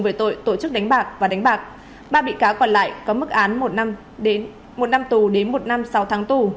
về tội tổ chức đánh bạc và đánh bạc ba bị cáo còn lại có mức án một năm tù đến một năm sáu tháng tù